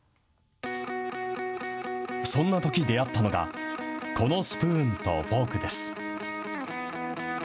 そんなとき出会ったのが、このスプーンとフォークです。